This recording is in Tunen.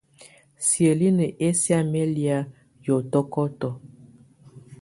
Siǝ́linǝ́ ɛsɛ̀á mɛ́ lɛ̀á yɔtɔkɔtɔ.